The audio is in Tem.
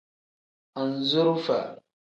Anzurufa.